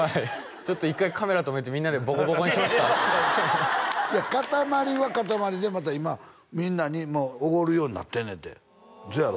ちょっと一回カメラ止めてみんなでボコボコにしますかいやかたまりはかたまりでまた今みんなにおごるようになってるねんてせやろ？